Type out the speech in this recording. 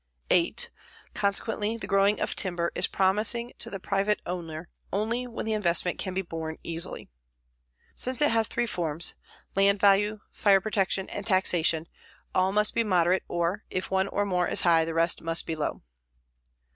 8. Consequently the growing of timber is promising to the private owner only when the investment can be borne easily. Since it has three forms land value, fire protection, and taxation all must be moderate or, if one or more is high, the rest must be low.